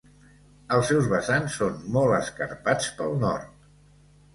Els seus vessants són molt escarpats pel nord.